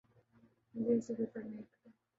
مجھے اس سے کوئی فرق نہیں پڑتا